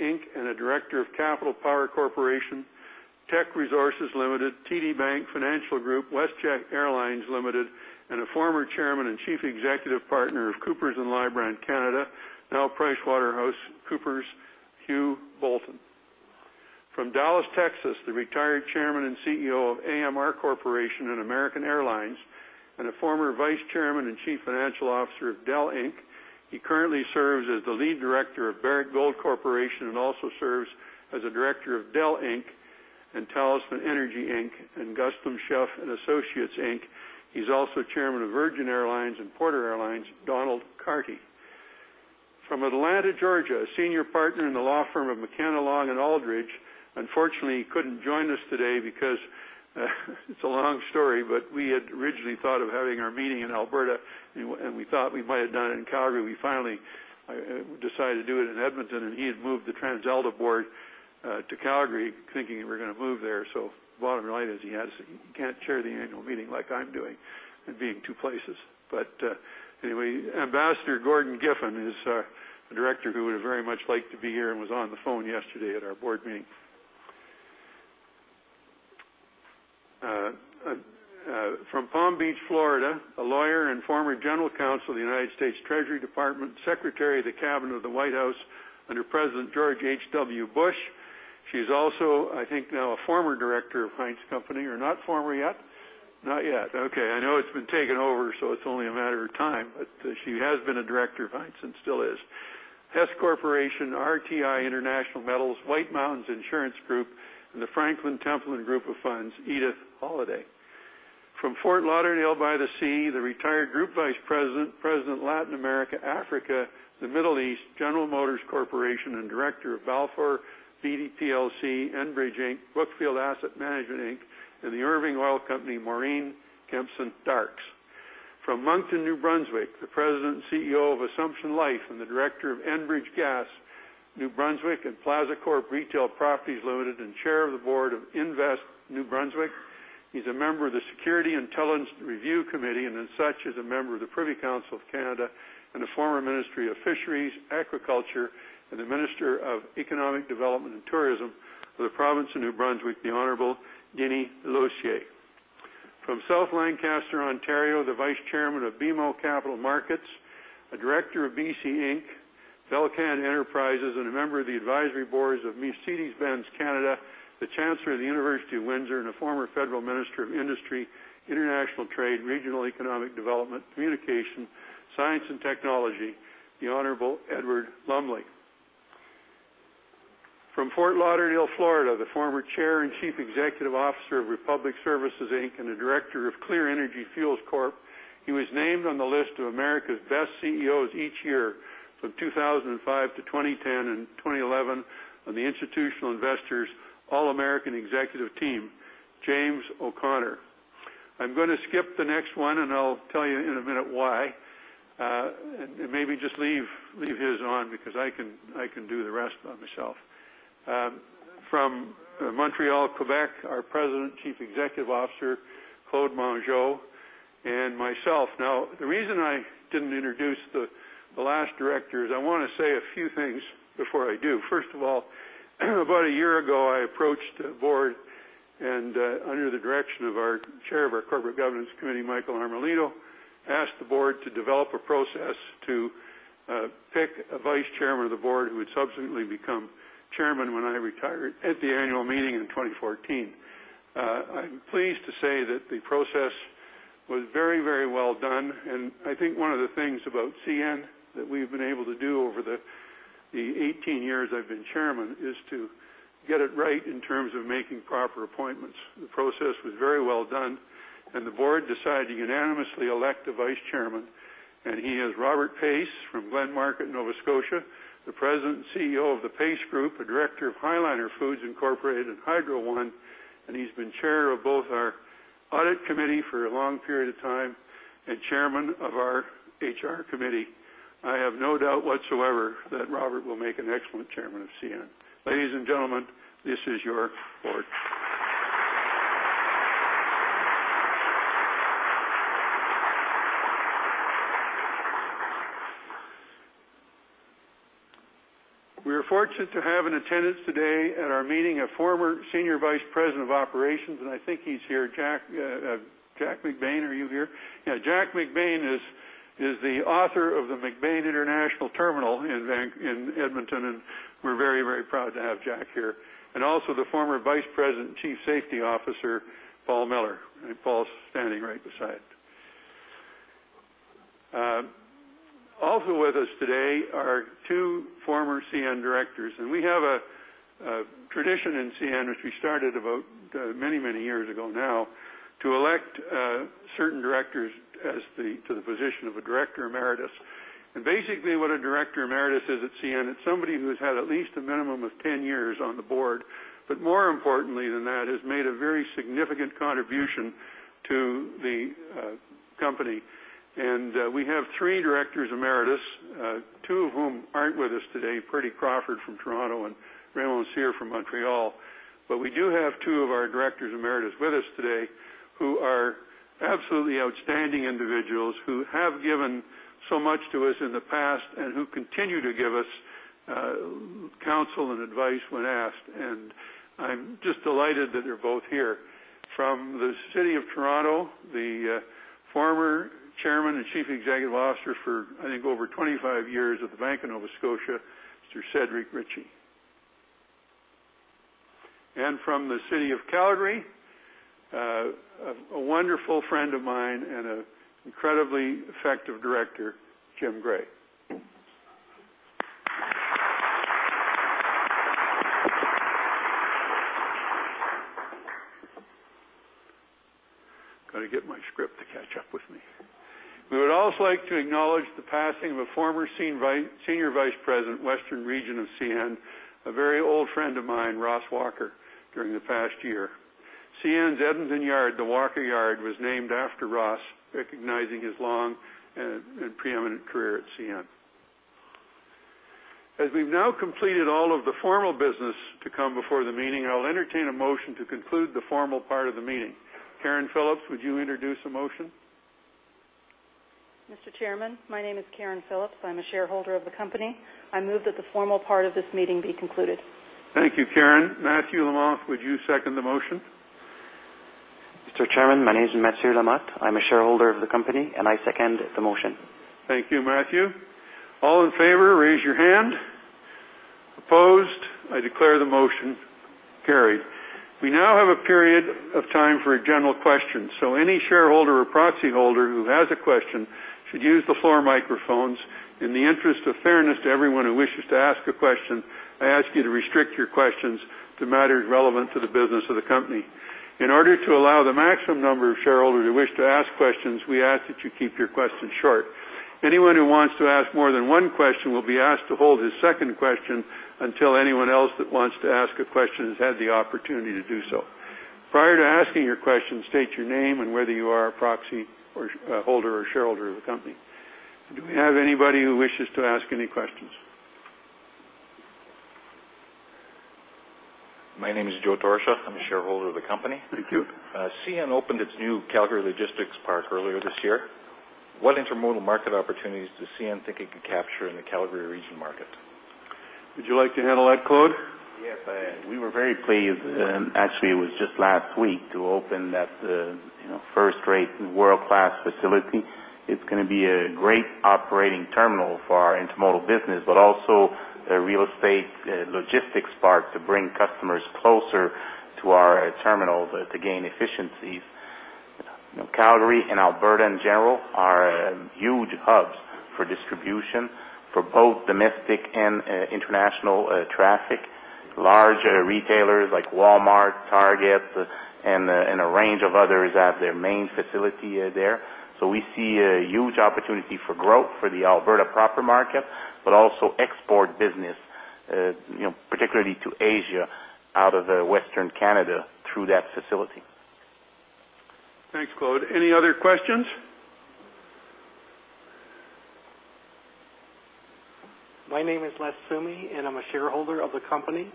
Inc., and a director of Capital Power Corporation, Teck Resources Limited, TD Bank Financial Group, WestJet Airlines Limited, and a former chairman and chief executive partner of Coopers & Lybrand, Canada, now PricewaterhouseCoopers, Hugh Bolton. From Dallas, Texas, the retired chairman and CEO of AMR Corporation and American Airlines, and a former vice chairman and chief financial officer of Dell, Inc. He currently serves as the lead director of Barrick Gold Corporation and also serves as a director of Dell, Inc. and Talisman Energy Inc. and Gluskin Sheff + Associates Inc. He's also chairman of Virgin America and Porter Airlines, Donald Carty. From Atlanta, Georgia, a senior partner in the law firm of McKenna Long & Aldridge. Unfortunately, he couldn't join us today because it's a long story, but we had originally thought of having our meeting in Alberta, and we thought we might have done it in Calgary. We finally decided to do it in Edmonton, and he had moved the TransAlta board to Calgary, thinking we're gonna move there. So bottom line is, he can't chair the annual meeting like I'm doing and be in two places. But anyway, Ambassador Gordon Giffin is a director who would have very much liked to be here and was on the phone yesterday at our board meeting from Palm Beach, Florida, a lawyer and former general counsel of the United States Treasury Department, Secretary of the Cabinet of the White House under President George H.W. Bush. She's also, I think, now a former director of Heinz Company or not former yet? Not yet. Okay, I know it's been taken over, so it's only a matter of time, but she has been a director of Heinz and still is. Hess Corporation, RTI International Metals, White Mountains Insurance Group, and the Franklin Templeton Group of Funds, Edith Holiday. From Fort Lauderdale, by the sea, the retired Group Vice President, President, Latin America, Africa, the Middle East, General Motors Company, and director of Balfour Beatty PLC, Enbridge Inc., Brookfield Asset Management Inc., and the Irving Oil Company, Maureen Kempston Darkes. From Moncton, New Brunswick, the President and CEO of Assumption Life and the director of Enbridge Gas New Brunswick, and Plaza Retail REIT, and Chair of the Board of Invest New Brunswick. He's a member of the Security Intelligence Review Committee, and as such, is a member of the Privy Council of Canada and a former Ministry of Fisheries, Aquaculture, and the Minister of Economic Development and Tourism for the province of New Brunswick, the Honorable Denis Losier. From South Lancaster, Ontario, the Vice Chairman of BMO Capital Markets, a director of BCE Inc., Bell Canada, and a member of the advisory boards of Mercedes-Benz Canada, the Chancellor of the University of Windsor, and a former federal Minister of Industry, International Trade, Regional Economic Development, Communication, Science, and Technology, the Honorable Edward Lumley. From Fort Lauderdale, Florida, the former Chair and Chief Executive Officer of Republic Services, Inc., and a director of Clean Energy Fuels Corp. He was named on the list of America's Best CEOs each year from 2005 to 2010 and 2011 on the Institutional Investors, All-American Executive Team, James O'Connor. I'm gonna skip the next one, and I'll tell you in a minute why. And maybe just leave his on, because I can do the rest by myself. From Montreal, Quebec, our President and Chief Executive Officer, Claude Mongeau, and myself. Now, the reason I didn't introduce the last director is I want to say a few things before I do. First of all, about a year ago, I approached the board and, under the direction of our Chair of our Corporate Governance Committee, Michael Armellino, asked the board to develop a process to pick a vice chairman of the board, who would subsequently become chairman when I retired at the annual meeting in 2014. I'm pleased to say that the process was very, very well done, and I think one of the things about CN that we've been able to do over the 18 years I've been chairman is to get it right in terms of making proper appointments. The process was very well done, and the board decided to unanimously elect a Vice Chairman, and he is Robert Pace from Glen Margaret, Nova Scotia, the president and CEO of The Pace Group, a director of High Liner Foods, Inc., and Hydro One, and he's been Chair of both our Audit Committee for a long period of time and Chairman of our HR Committee. I have no doubt whatsoever that Robert will make an excellent Chairman of CN. Ladies and gentlemen, this is your board. We are fortunate to have in attendance today at our meeting, a former senior vice president of operations, and I think he's here. Jack, Jack McBain, are you here? Yeah, Jack McBain is the author of the McBain International Terminal in Edmonton, and we're very, very proud to have Jack here. Also the former Vice President, Chief Safety Officer, Paul Miller. Paul's standing right beside. Also with us today are two former CN directors, and we have a tradition in CN, which we started about many, many years ago now, to elect certain directors as the to the position of a director emeritus. Basically, what a director emeritus is at CN, it's somebody who has had at least a minimum of 10 years on the board, but more importantly than that, has made a very significant contribution to the company. We have three directors emeritus, two of whom aren't with us today, Purdy Crawford from Toronto, and Raymond Cyr from Montreal. But we do have two of our directors emeritus with us today, who are absolutely outstanding individuals, who have given so much to us in the past and who continue to give us counsel and advice when asked, and I'm just delighted that they're both here. From the city of Toronto, the former chairman and chief executive officer for, I think, over 25 years at the Bank of Nova Scotia, Mr. Cedric Ritchie. And from the city of Calgary, a wonderful friend of mine and an incredibly effective director, Jim Gray. Got to get my script to catch up with me. We would also like to acknowledge the passing of a former senior vice president, western region of CN, a very old friend of mine, Ross Walker, during the past year. CN's Edmonton Yard, the Walker Yard, was named after Ross, recognizing his long and preeminent career at CN. As we've now completed all of the formal business to come before the meeting, I'll entertain a motion to conclude the formal part of the meeting. Karen Phillips, would you introduce a motion? Mr. Chairman, my name is Karen Phillips. I'm a shareholder of the company. I move that the formal part of this meeting be concluded. Thank you, Karen. Matthew Lamothe, would you second the motion? Mr. Chairman, my name is Matthew Lamothe. I'm a shareholder of the company, and I second the motion. Thank you, Matthew. All in favor, raise your hand. Opposed? I declare the motion carried. We now have a period of time for general questions, so any shareholder or proxy holder who has a question should use the floor microphones. In the interest of fairness to everyone who wishes to ask a question, I ask you to restrict your questions to matters relevant to the business of the company. In order to allow the maximum number of shareholders who wish to ask questions, we ask that you keep your questions short. Anyone who wants to ask more than one question will be asked to hold his second question until anyone else that wants to ask a question has had the opportunity to do so. Prior to asking your question, state your name and whether you are a proxy holder or shareholder of the company. Do we have anybody who wishes to ask any questions? My name is Joe Torcia. I'm a shareholder of the company. Thank you. CN opened its new Calgary logistics park earlier this year. What intermodal market opportunities does CN think it can capture in the Calgary region market? Would you like to handle that, Claude? Yes, I am. We were very pleased, and actually, it was just last week, to open that, you know, first-rate, world-class facility. It's gonna be a great operating terminal for our intermodal business, but also a real estate logistics park to bring customers closer to our terminals to gain efficiencies. You know, Calgary and Alberta, in general, are huge hubs for distribution for both domestic and international traffic. Large retailers, like Walmart, Target, and a range of others, have their main facility there. So we see a huge opportunity for growth for the Alberta proper market, but also export business, you know, particularly to Asia, out of Western Canada through that facility. Thanks, Claude. Any other questions? My name is Les Szumeo, and I'm a shareholder of the company.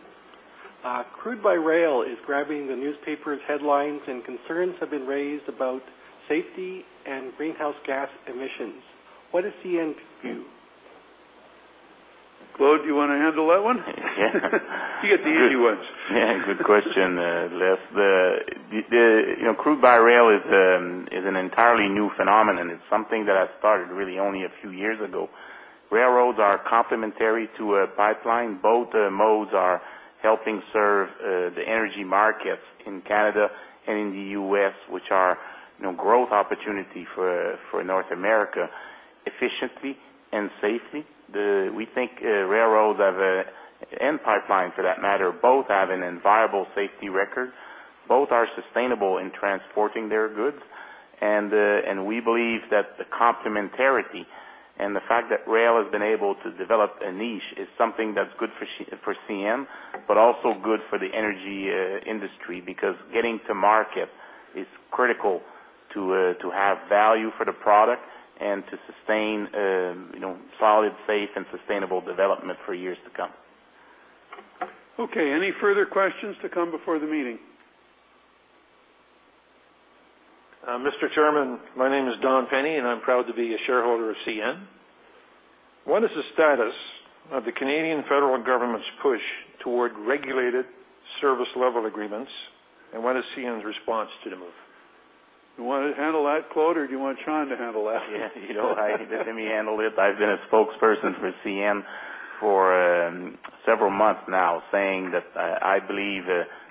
Crude by rail is grabbing the newspaper's headlines, and concerns have been raised about safety and greenhouse gas emissions. What does CN do? Claude, do you want to handle that one? Yeah. You get the easy ones. Yeah, good question, Les. The, you know, crude by rail is an entirely new phenomenon. It's something that has started really only a few years ago. Railroads are complementary to a pipeline. Both modes are helping serve the energy markets in Canada and in the U.S., which are, you know, growth opportunity for North America, efficiently and safely. We think railroads have. And pipeline, for that matter, both have an enviable safety record. Both are sustainable in transporting their goods. We believe that the complementarity and the fact that rail has been able to develop a niche is something that's good for CN, but also good for the energy industry, because getting to market is critical to have value for the product and to sustain, you know, solid, safe, and sustainable development for years to come. Okay, any further questions to come before the meeting? Mr. Chairman, my name is Don Penny, and I'm proud to be a shareholder of CN. ...What is the status of the Canadian federal government's push toward regulated service level agreements, and what is CN's response to the move? You want to handle that, Claude, or do you want Sean to handle that? You know, let me handle it. I've been a spokesperson for CN for several months now, saying that I believe,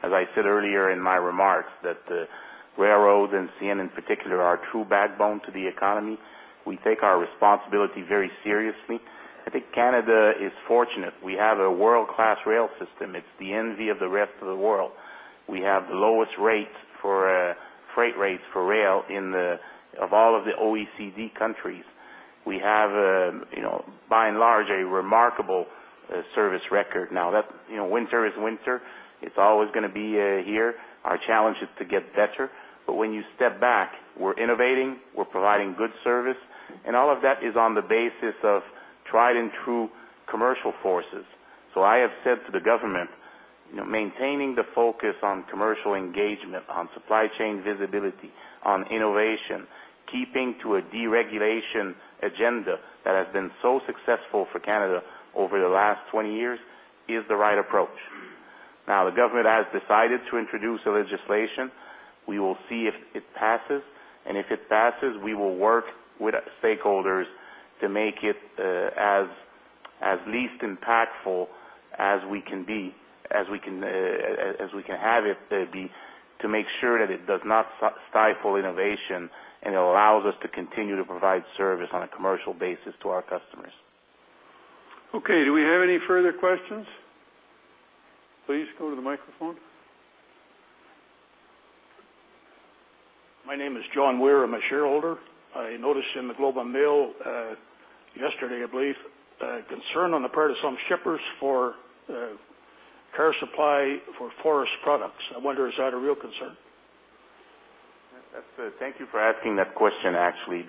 as I said earlier in my remarks, that the railroads and CN in particular, are a true backbone to the economy. We take our responsibility very seriously. I think Canada is fortunate. We have a world-class rail system. It's the envy of the rest of the world. We have the lowest rates for freight rates for rail in the - of all of the OECD countries. We have, you know, by and large, a remarkable service record. Now, that, you know, winter is winter. It's always gonna be here. Our challenge is to get better. But when you step back, we're innovating, we're providing good service, and all of that is on the basis of tried and true commercial forces. So I have said to the government, you know, maintaining the focus on commercial engagement, on supply chain visibility, on innovation, keeping to a deregulation agenda that has been so successful for Canada over the last 20 years, is the right approach. Now, the government has decided to introduce a legislation. We will see if it passes, and if it passes, we will work with stakeholders to make it as least impactful as we can be, as we can have it be, to make sure that it does not stifle innovation, and it allows us to continue to provide service on a commercial basis to our customers. Okay. Do we have any further questions? Please go to the microphone. My name is John Ware. I'm a shareholder. I noticed in The Globe and Mail, yesterday, I believe, a concern on the part of some shippers for, car supply for forest products. I wonder, is that a real concern? Thank you for asking that question, actually.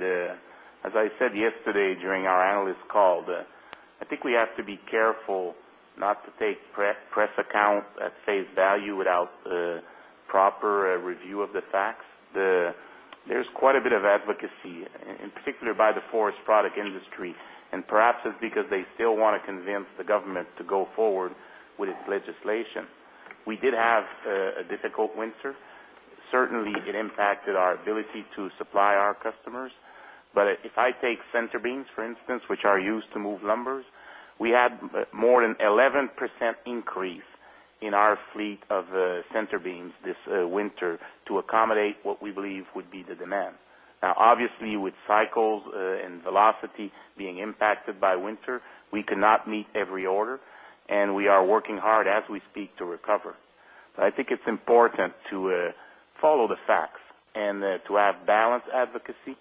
As I said yesterday during our analyst call, I think we have to be careful not to take press accounts at face value without proper review of the facts. There's quite a bit of advocacy, in particular by the forest product industry, and perhaps it's because they still want to convince the government to go forward with its legislation. We did have a difficult winter. Certainly, it impacted our ability to supply our customers. But if I take centrebeams, for instance, which are used to move lumber, we had more than 11% increase in our fleet of centrebeams this winter to accommodate what we believe would be the demand. Now, obviously, with cycles, and velocity being impacted by winter, we cannot meet every order, and we are working hard as we speak, to recover. But I think it's important to, follow the facts and, to have balanced advocacy,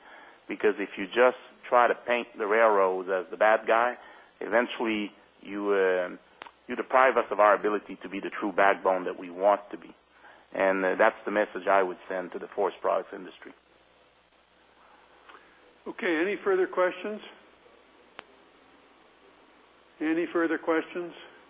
because if you just try to paint the railroads as the bad guy, eventually you, you deprive us of our ability to be the true backbone that we want to be. And that's the message I would send to the forest products industry. Okay. Any further questions? Any further questions?